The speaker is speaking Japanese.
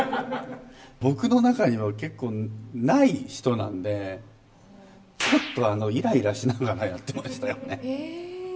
僕の中には結構ない人なんで、ちょっといらいらしながらやってましたよね。